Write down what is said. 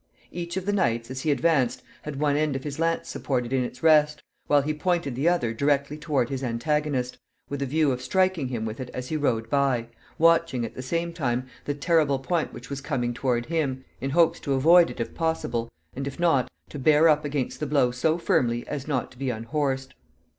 Each of the knights, as he advanced, had one end of his lance supported in its rest, while he pointed the other directly toward his antagonist, with a view of striking him with it as he rode by, watching, at the same time, the terrible point which was coming toward him, in hopes to avoid it if possible, and, if not, to bear up against the blow so firmly as not to be unhorsed.